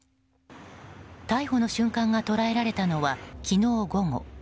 逮捕の瞬間が捉えられたのは昨日午後。